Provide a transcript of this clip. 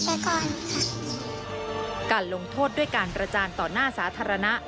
แต่ก่อนการลงโทษด้วยการประจานต่อหน้าสาธารณะ